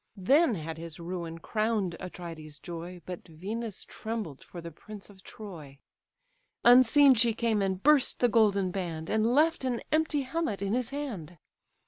Then had his ruin crown'd Atrides' joy, But Venus trembled for the prince of Troy: Unseen she came, and burst the golden band; And left an empty helmet in his hand.